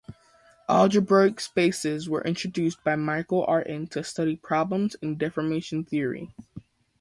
Algebraic spaces were introduced by Michael Artin to study problems in deformation theory.